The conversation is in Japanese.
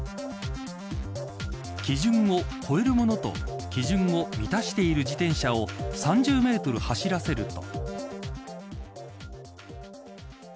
基準を超えるものと基準を満たしている自転車を３０メートル走らせると。